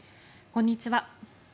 こんにちは。